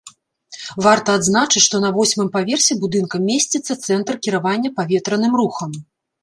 Варта адзначыць, што на восьмым паверсе будынка месціцца цэнтр кіравання паветраным рухам.